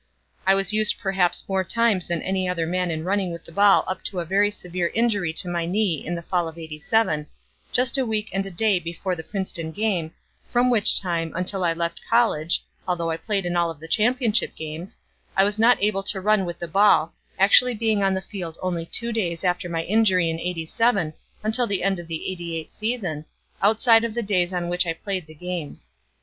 I was used perhaps more times than any other man in running with the ball up to a very severe injury to my knee in the fall of '87, just a week and a day before the Princeton game, from which time, until I left college (although I played in all of the championship games) I was not able to run with the ball, actually being on the field only two days after my injury in '87 until the end of the '88 season, outside of the days on which I played the games.